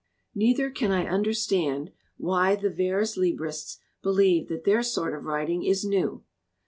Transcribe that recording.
" Neither can I understand why the vers libristes believe that their sort of writing is new.